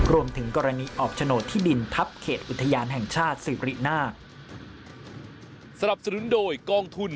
รวมถึงกรณีออกโฉนดที่ดินทัพเขตอุทยานแห่งชาติสิรินา